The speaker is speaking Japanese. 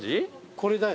これだよね。